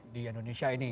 di indonesia ini